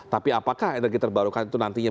tapi apakah energi terbarukan itu nantinya